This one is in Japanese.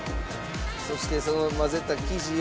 そしてその混ぜた生地を。